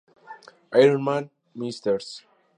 Iron Man, Ms.